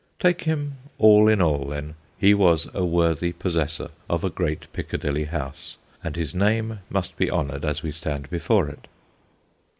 Take him all in all, then, he was a worthy possessor of a great Piccadilly house, and his name must be honoured as we stand before it.